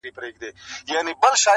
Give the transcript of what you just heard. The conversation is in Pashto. د جګړې له امله د اوښتو زیانونو جبران